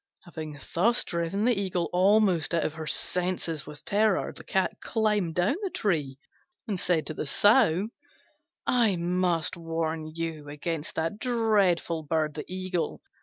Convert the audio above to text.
Having thus driven the Eagle almost out of her senses with terror, the Cat climbed down the tree, and said to the Sow, "I must warn you against that dreadful bird, the Eagle.